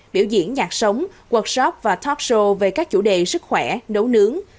biểu diễn nhạc sống workshop và talk show về các chủ đề sức khỏe nấu nướng